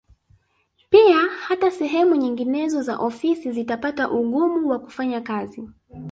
Pia hata sehemu nyinginezo za ofisi zitapata ugumu wa kufanya kazi